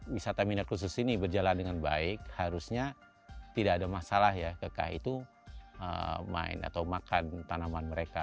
wisata minat khusus ini berjalan dengan baik harusnya tidak ada masalah ya kakak itu main atau makan tanaman mereka